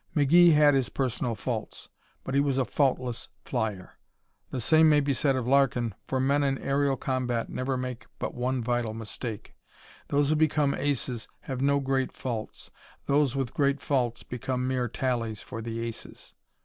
McGee had his personal faults, but he was a faultless flyer. The same may be said of Larkin, for men in aerial combat never make but one vital mistake. Those who become aces have no great faults; those with great faults become mere tallies for the aces.